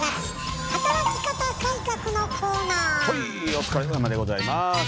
お疲れさまでございます。